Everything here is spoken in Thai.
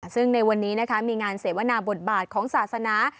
ซึ่งในวันนี้นะคะมีงานเสวนาบทบาทของศาสนา